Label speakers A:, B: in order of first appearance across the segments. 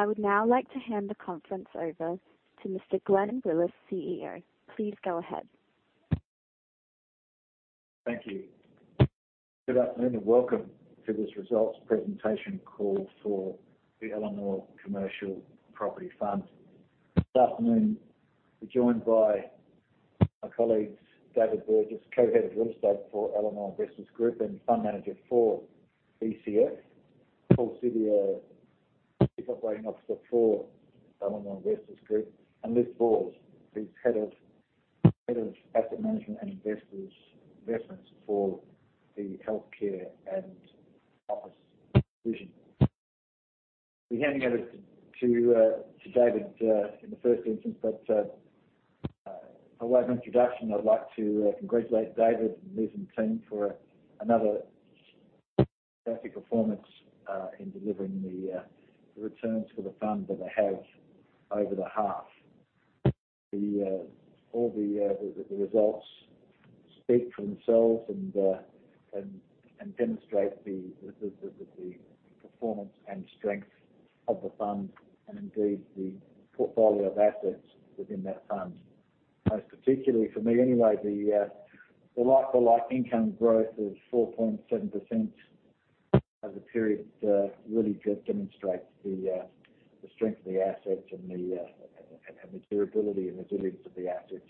A: I would now like to hand the conference over to Mr. Glenn Willis, CEO. Please go ahead.
B: Thank you. Good afternoon, welcome to this results presentation call for the Elanor Commercial Property Fund. This afternoon, we're joined by my colleagues, David Burgess, co-head of real estate for Elanor Investors Group and fund manager for ECF. Paul Siviour, Chief Operating Officer for Elanor Investors Group, and Liz Parsons, who's head of asset management and investments for the healthcare and office division. Be handing over to David in the first instance. By way of introduction, I'd like to congratulate David and Liz and the team for another fantastic performance in delivering the returns for the fund that they have over the half. The all the results speak for themselves and demonstrate the performance and strength of the fund and indeed the portfolio of assets within that fund. Most particularly, for me anyway, the like for like income growth of 4.7% over the period really does demonstrate the strength of the assets and the durability and resilience of the assets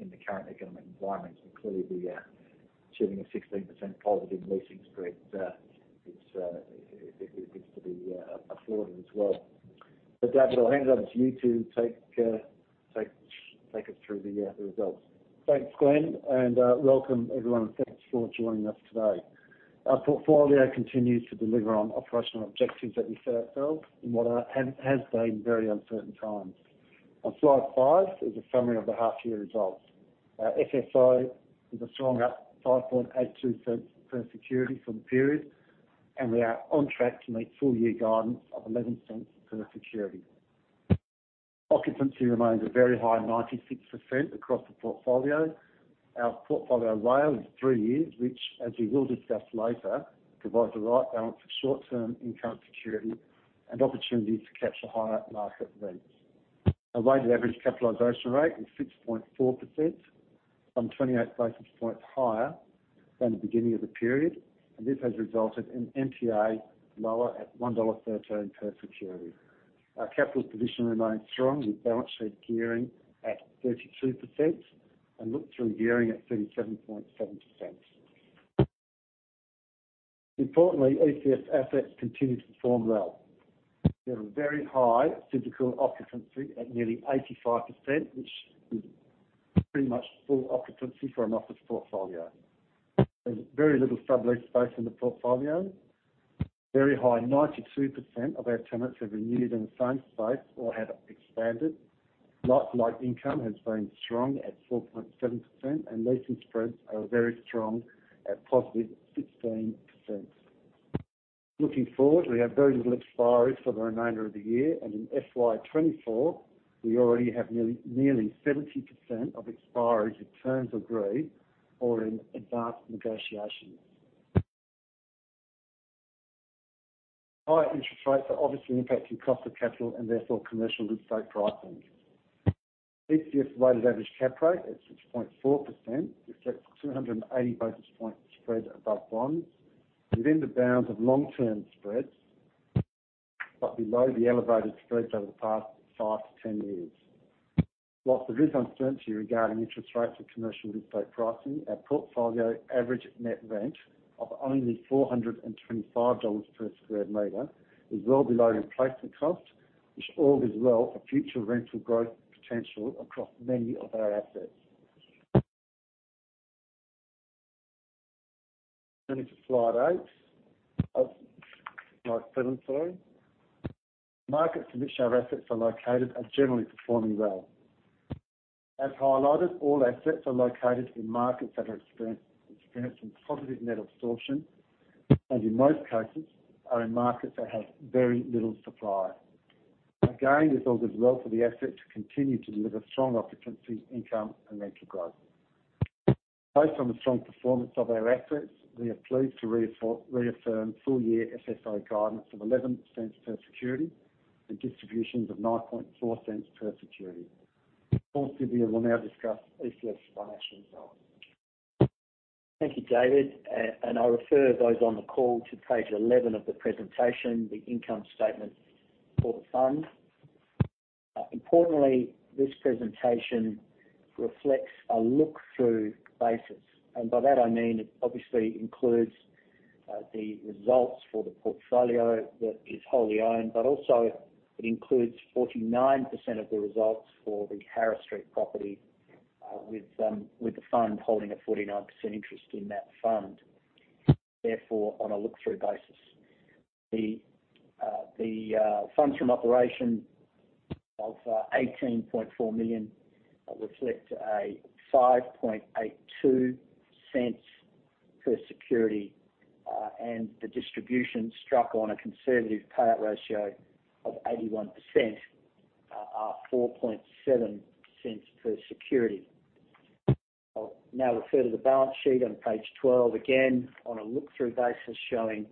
B: in the current economic environment. Clearly the achieving a 16% positive leasing spread is to be applauded as well. David, I'll hand over to you to take us through the results.
C: Thanks, Glenn. Welcome everyone, and thanks for joining us today. Our portfolio continues to deliver on operational objectives that we set ourselves in what are and has been very uncertain times. On slide five is a summary of the half year results. Our FFO is a strong 0.0582 per security for the period, and we are on track to meet full year guidance of 0.11 per security. Occupancy remains a very high 96% across the portfolio. Our portfolio WALE is three years, which, as we will discuss later, provides the right balance of short-term income security and opportunity to capture higher market rents. Our weighted average capitalization rate is 6.4%, some 28 basis points higher than the beginning of the period, and this has resulted in NTA lower at 1.13 dollar per security. Our capital position remains strong, with balance sheet gearing at 32% and look-through gearing at 37.7%. Importantly, ECF's assets continue to perform well. We have a very high physical occupancy at nearly 85%, which is pretty much full occupancy for an office portfolio. There's very little sublet space in the portfolio. Very high, 92%, of our tenants have renewed in the same space or have expanded. Like-like income has been strong at 4.7%, and leasing spreads are very strong at positive 16%. Looking forward, we have very little expiries for the remainder of the year, and in FY 2024, we already have nearly 70% of expiries with terms agreed or in advanced negotiations. High interest rates are obviously impacting cost of capital and therefore commercial real estate pricing. ECF's weighted average cap rate at 6.4% reflects 280 basis point spread above bonds within the bounds of long-term spreads, but below the elevated spreads over the past five to 10 years. Whilst there is uncertainty regarding interest rates for commercial real estate pricing, our portfolio average net rent of only 425 dollars per square meter is well below replacement cost, which all bodes well for future rental growth potential across many of our assets. Turning to slide eight. Slide seven, sorry. Markets in which our assets are located are generally performing well. As highlighted, all assets are located in markets that have experienced some positive net absorption, and in most cases, are in markets that have very little supply. This all bodes well for the asset to continue to deliver strong occupancy, income, and rental growth. Based on the strong performance of our assets, we are pleased to reaffirm full year FFO guidance of 0.11 per security and distributions of 0.094 per security. Paul Siviour will now discuss ECF's financial results.
D: Thank you, David. I refer those on the call to page 11 of the presentation, the income statement for the fund. Importantly, this presentation reflects a look-through basis, and by that I mean it obviously includes the results for the portfolio that is wholly owned, but also it includes 49% of the results for the Harris Street property, with the fund holding a 49% interest in that fund, therefore on a look-through basis. The funds from operation of 18.4 million reflect a 0.0582 per security, and the distribution struck on a conservative payout ratio of 81% are 0.047 per security. I'll now refer to the balance sheet on page 12. Again, on a look-through basis, showing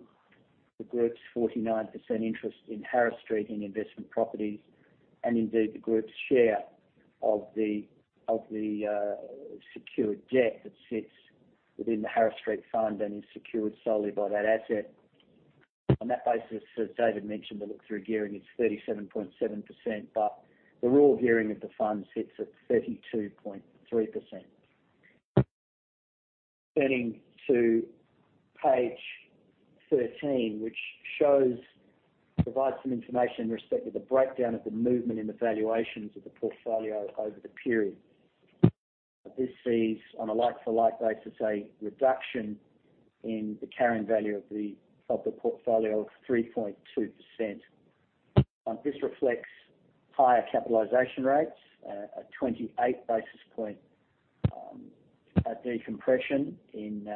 D: the group's 49% interest in Harris Street in investment properties, and indeed the group's share of the secured debt that sits within the Harris Street fund and is secured solely by that asset. On that basis, as David mentioned, the look-through gearing is 37.7%, but the raw gearing of the fund sits at 32.3%. Turning to page 13, which shows provides some information in respect to the breakdown of the movement in the valuations of the portfolio over the period. This sees, on a like-for-like basis, a reduction in the carrying value of the portfolio of 3.2%. This reflects higher capitalization rates, a 28 basis point decompression in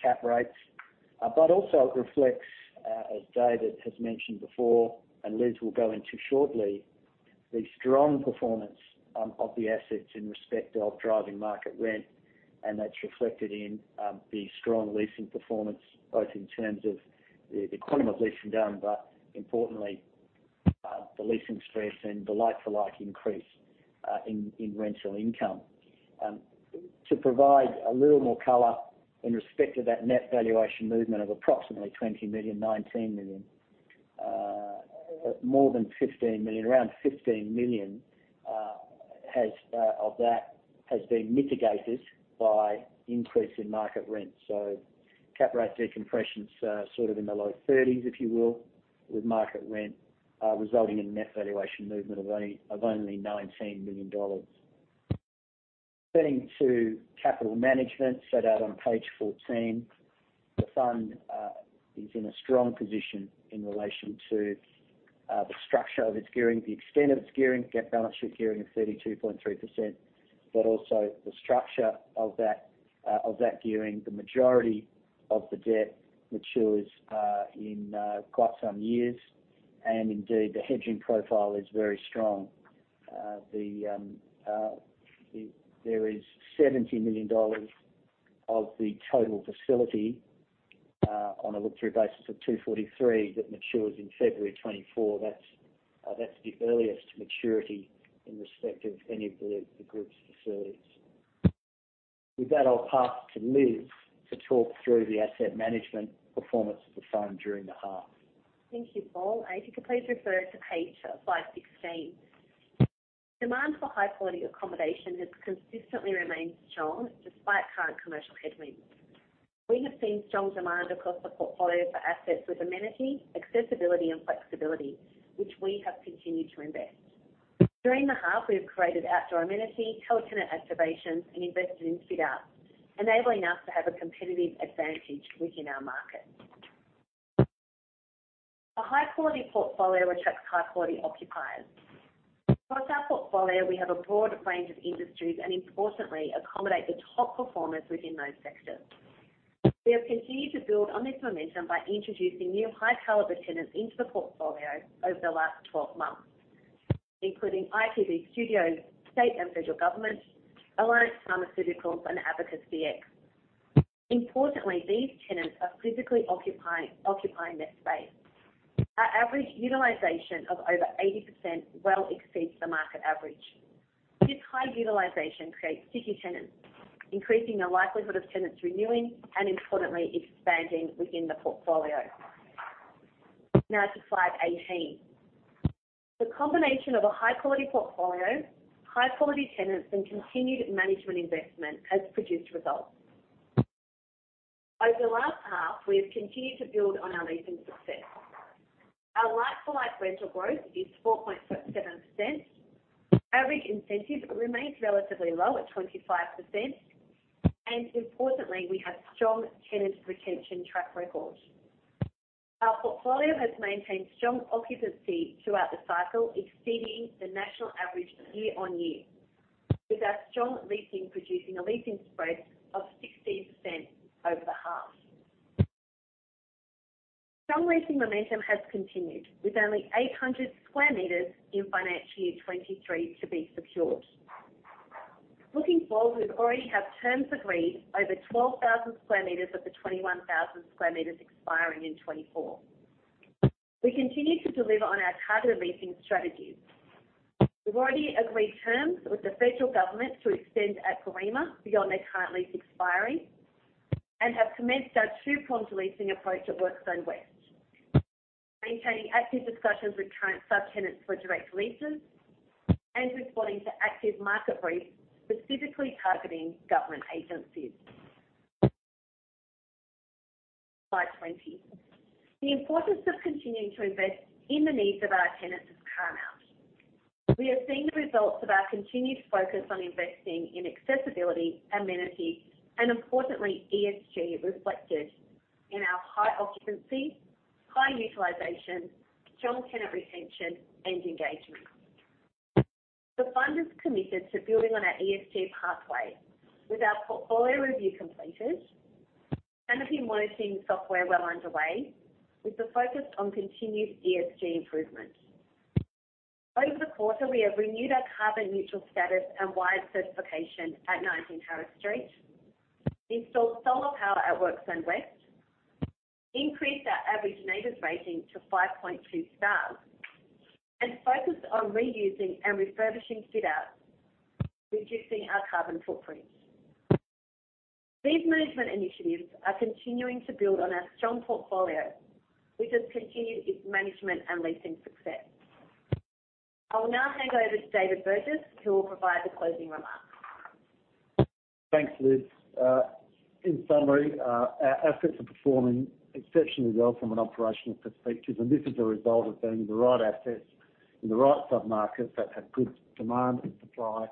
D: cap rates. Also it reflects, as David has mentioned before, and Liz will go into shortly, the strong performance of the assets in respect of driving market rent, and that's reflected in the strong leasing performance, both in terms of the quantum of leasing done, but importantly, the leasing spreads and the like-for-like increase in rental income. To provide a little more color in respect to that net valuation movement of approximately 20 million, 19 million, more than 15 million, around 15 million, has of that has been mitigated by increase in market rent. Cap rate decompression's sort of in the low thirties, if you will, with market rent, resulting in a net valuation movement of only 19 million dollars. Turning to capital management, set out on page 14. The fund is in a strong position in relation to the structure of its gearing, the extent of its gearing, debt balance sheet gearing of 32.3%, but also the structure of that gearing. The majority of the debt matures in quite some years, and indeed, the hedging profile is very strong. There is 70 million dollars of the total facility on a look-through basis of 243 million, that matures in February 2024. That's the earliest maturity in respect of any of the group's facilities. With that, I'll pass to Liz to talk through the asset management performance of the fund during the half.
E: Thank you, Paul Siviour. If you could please refer to page, slide 16. Demand for high-quality accommodation has consistently remained strong despite current commercial headwinds. We have seen strong demand across the portfolio for assets with amenity, accessibility, and flexibility, which we have continued to invest. During the half, we have created outdoor amenity, co-tenant activations, and invested in fit-outs, enabling us to have a competitive advantage within our market. A high-quality portfolio attracts high-quality occupiers. Across our portfolio, we have a broad range of industries and importantly, accommodate the top performers within those sectors. We have continued to build on this momentum by introducing new high caliber tenants into the portfolio over the last 12 months, including IPG Studios, state and federal governments, Alliance Pharma, and Abacus dx. Importantly, these tenants are physically occupying their space. Our average utilization of over 80% well exceeds the market average. This high utilization creates sticky tenants, increasing the likelihood of tenants renewing and importantly, expanding within the portfolio. Now to slide 18. The combination of a high-quality portfolio, high-quality tenants, and continued management investment has produced results. Over the last half, we have continued to build on our leasing success. Our like-for-like rental growth is 4.7%. Average incentive remains relatively low at 25%. Importantly, we have strong tenant retention track record. Our portfolio has maintained strong occupancy throughout the cycle, exceeding the national average year-on-year, with our strong leasing producing a leasing spread of 16% over the half. Strong leasing momentum has continued, with only 800 square meters in financial year 2023 to be secured. Looking forward, we already have terms agreed over 12,000 square meters of the 21,000 square meters expiring in 2024. We continue to deliver on our targeted leasing strategies. We've already agreed terms with the federal government to extend at Garema beyond their current lease expiry, have commenced our two-pronged leasing approach at Workzone West, maintaining active discussions with current subtenants for direct leases and responding to active market briefs, specifically targeting government agencies. Slide 20. The importance of continuing to invest in the needs of our tenants is paramount. We have seen the results of our continued focus on investing in accessibility, amenity, and importantly, ESG reflected in our high occupancy, high utilization, strong tenant retention, and engagement. The fund is committed to building on our ESG pathway. With our portfolio review completed, Canopy monitoring software well underway, with the focus on continued ESG improvements. Over the quarter, we have renewed our carbon neutral status and WiredScore certification at 19 Harris Street, installed solar power at Workzone West, increased our average NABERS rating to 5.2 stars, and focused on reusing and refurbishing fit outs, reducing our carbon footprint. These management initiatives are continuing to build on our strong portfolio, which has continued its management and leasing success. I will now hand over to David Burgess, who will provide the closing remarks.
C: Thanks, Liz. In summary, our assets are performing exceptionally well from an operational perspective, and this is a result of being the right assets in the right submarkets that have good demand and supply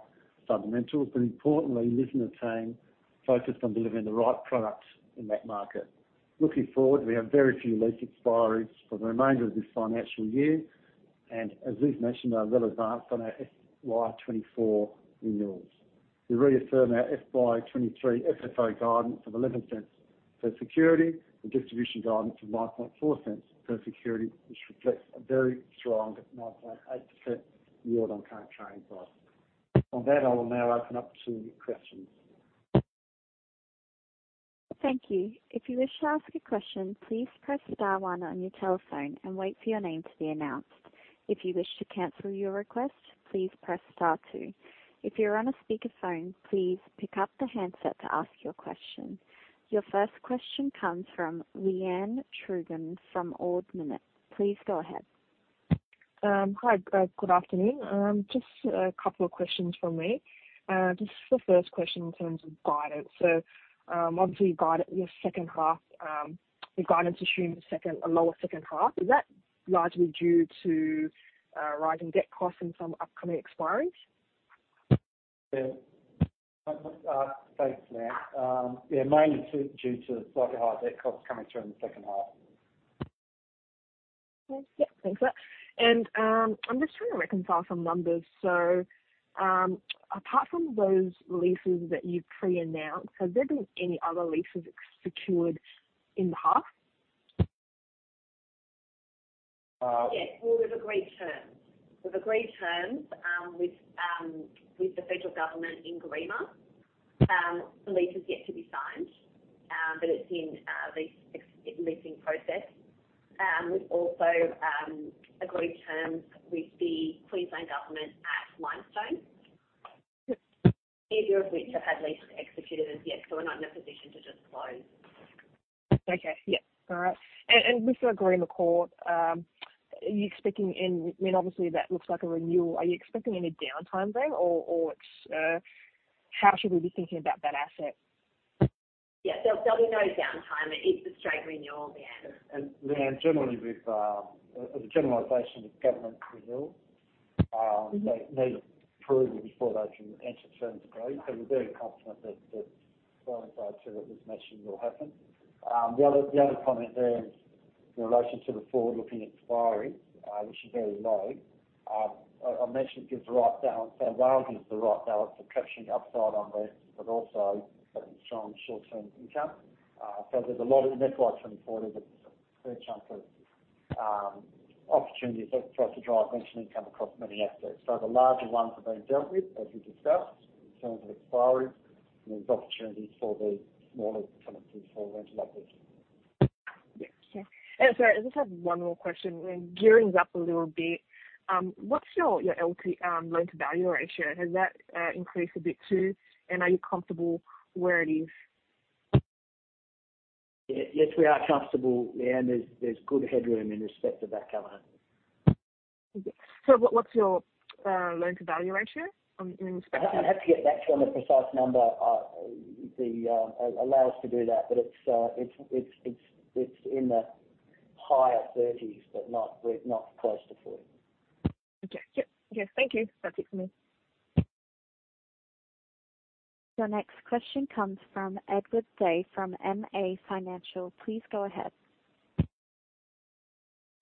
C: fundamentals, but importantly, Liv and the team focused on delivering the right product in that market. Looking forward, we have very few lease expiries for the remainder of this financial year. As Liv mentioned, they're well advanced on our FY 2024 renewals. We reaffirm our FY23 FFO guidance of 0.11 per security and distribution guidance of 0.094 per security, which reflects a very strong 9.8% yield on current trading price. On that, I will now open up to questions.
A: Thank you. If you wish to ask a question, please press star one on your telephone and wait for your name to be announced. If you wish to cancel your request, please press star two. If you're on a speakerphone, please pick up the handset to ask your question. Your first question comes from Leanne Truong from Ord Minnett. Please go ahead.
F: Hi, guys. Good afternoon. Just a couple of questions from me. Just the first question in terms of guidance. Obviously, your second half, your guidance assumes a lower second half. Is that largely due to rising debt costs and some upcoming expiries?
C: Thanks, Leanne. Mainly due to slightly higher debt costs coming through in the second half.
F: Okay. Yeah, thanks for that. I'm just trying to reconcile some numbers. Apart from those leases that you've pre-announced, has there been any other leases secured in the half?
C: Uh-
E: Yes. Well, we've agreed terms with the federal government in Greenmount. The lease is yet to be signed, but it's in leasing process. We've also agreed terms with the Queensland Government at Limestone.
F: Okay.
E: Neither of which have had leases executed as yet, so we're not in a position to disclose.
F: Okay. Yeah. All right. With the Garema Court, are you expecting any... I mean, obviously, that looks like a renewal. Are you expecting any downtime then? How should we be thinking about that asset?
E: Yeah. There'll be no downtime. It is a straight renewal at the end.
C: Leanne, generally with, as a generalization with government renewals, they need approval before those can enter terms agreed. We're very confident that Greenmount side too, as mentioned, will happen. The other comment there is in relation to the forward-looking expiry, which is very low. I mentioned it gives the right balance. While it gives the right balance of capturing upside on leases, but also having strong short-term income, so there's a lot in the pipeline from 40, but there's a fair chunk of opportunity for us to drive rental income across many assets. The larger ones are being dealt with, as we discussed, in terms of expiries, and there's opportunities for the smaller tenants before rental upwards.
F: Yeah. Sure. Sorry, I just have one more question. Gearing's up a little bit. What's your your LT loan-to-value ratio? Has that increased a bit too? Are you comfortable where it is?
D: Yeah. Yes, we are comfortable, Leanne. There's good headroom in respect to that covenant.
F: Okay. What's your loan-to-value ratio in respect to?
D: I have to get back to you on the precise number. I, the, Allow us to do that, but it's in the higher 30s, but not close to 40.
F: Okay. Yep. Yeah. Thank you. That's it from me.
A: Your next question comes from Edward Day from MA Financial. Please go ahead.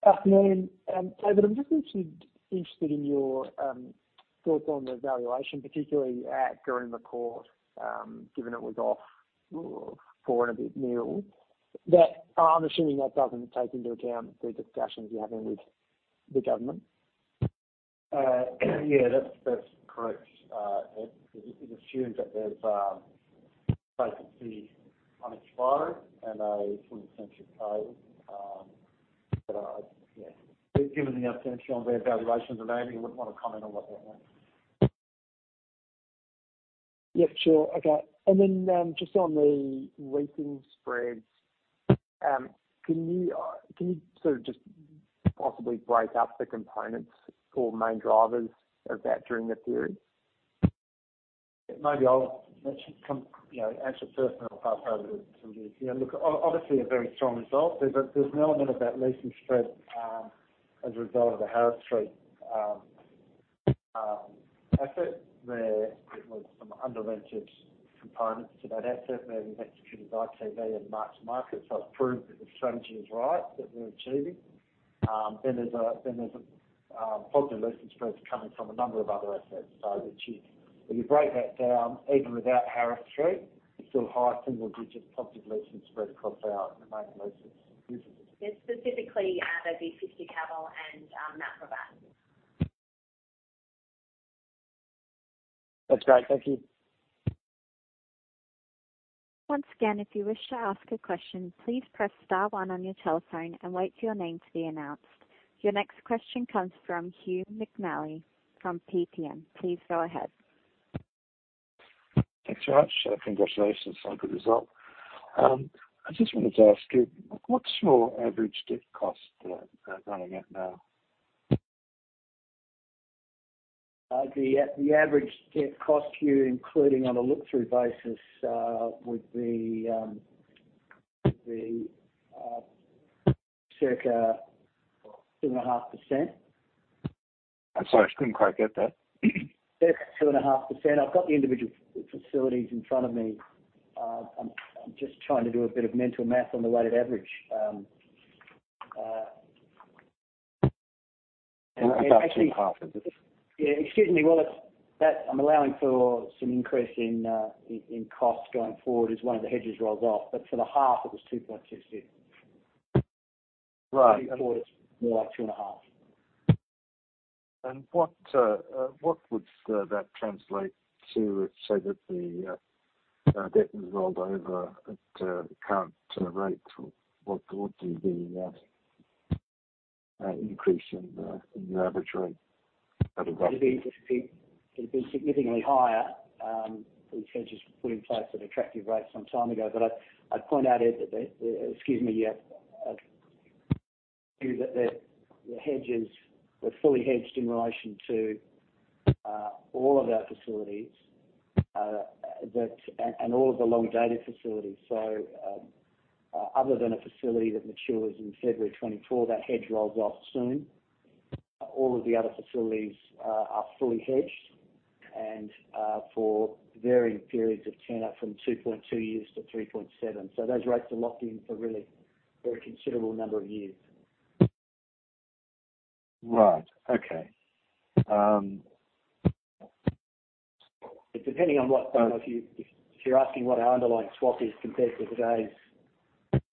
G: Afternoon. David, I'm just actually interested in your thoughts on the valuation, particularly at Greenmount Court, given it was off 4 and a bit million. I'm assuming that doesn't take into account the discussions you're having with the government?
C: Yeah, that's correct, Ed. It assumes that there's vacancy on expiry and a full incentive pay. Yeah, given the uncertainty on the valuations, Amanda, you wouldn't want to comment on what that meant.
G: Yeah, sure. Okay. Just on the leasing spreads, can you sort of just possibly break up the components or main drivers of that during the period?
C: Maybe I'll let you know, answer first, and I'll pass over to Liv. You know, look, obviously a very strong result. There's an element of that leasing spread as a result of the Harris Street asset, where there was some under-rented components to that asset where we've executed ITV and March market. It's proved that the strategy is right, that we're achieving. Then there's positive leasing spreads coming from a number of other assets. It's, if you break that down, even without Harris Street, still high single-digit positive leasing spread across our main leases.
E: Yeah, specifically, that'd be 50 Cavill and Mount Gravatt.
G: That's great. Thank you.
A: Once again, if you wish to ask a question, please press star one on your telephone and wait for your name to be announced. Your next question comes from Hugh MacNally from PPM. Please go ahead.
H: Thanks very much. Congratulations on the result. I just wanted to ask you, what's your average debt cost running at now?
B: The average debt cost, Hugh, including on a look-through basis, would be circa 2.5%.
H: I'm sorry, I couldn't quite get that.
B: 2.5%. I've got the individual facilities in front of me. I'm just trying to do a bit of mental math on the weighted average.
H: About 2.5%.
C: Yeah. Excuse me, Willis. That I'm allowing for some increase in costs going forward as one of the hedges rolls off. For the half, it was 2.6.
H: Right.
C: Going forward, it's more like two and a half.
H: What would that translate to, say, that the debt was rolled over at current rate? What would be the increase in the average rate that it got to?
C: It'd be significantly higher than hedges we put in place at attractive rates some time ago. I'd point out here that the... Excuse me. Yeah. I'd argue that the hedges were fully hedged in relation to all of our facilities and all of the long-dated facilities. Other than a facility that matures in February 2024, that hedge rolls off soon. All of the other facilities are fully hedged and for varying periods of tenure from 2.2 years-3.7 years. Those rates are locked in for really for a considerable number of years.
H: Right. Okay.
C: Depending on what, I don't know, if you're asking what our underlying swap is compared to today's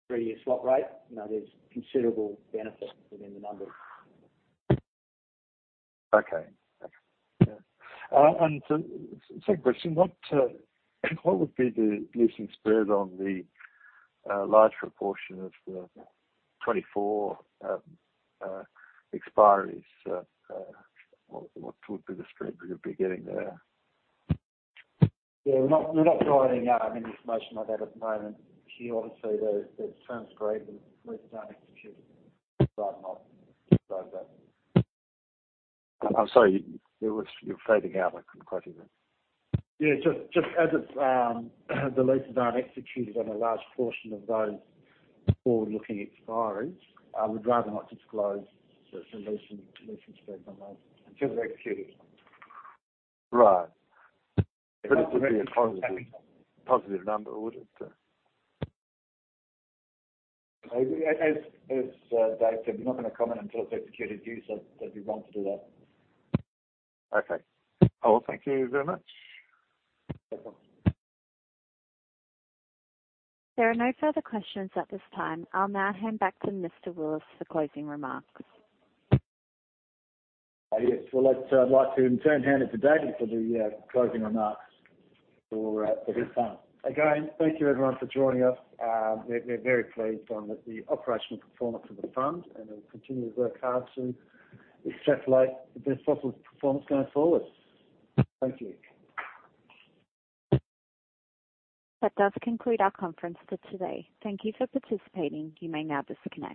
C: three-year swap rate, you know, there's considerable benefit within the numbers.
H: Okay. Yeah. Second question, what would be the leasing spread on the large proportion of the 24 expiries? What would be the spread you'd be getting there?
C: Yeah. We're not dialing out any information like that at the moment. Hugh, obviously, the terms agreed with
H: I'm sorry, you're fading out. I couldn't quite hear that.
C: Yeah. Just as it's, the leases aren't executed on a large portion of those forward-looking expiries, I would rather not disclose the leasing spread on those until they're executed.
H: Right. It would be a positive number, would it?
B: Dave said, we're not gonna comment until it's executed. Hugh, there'd be wrong to do that.
H: Okay. Oh, thank you very much.
B: No problem.
A: There are no further questions at this time. I'll now hand back to Mr. Willis for closing remarks.
B: Yes. Well, I'd like to in turn hand it to David for the closing remarks for this fund.
C: Again, thank you everyone for joining us. We're very pleased on the operational performance of the Fund. We'll continue to work hard to extrapolate the best possible performance going forward. Thank you.
A: That does conclude our conference for today. Thank Thank you for participating. You may now disconnect.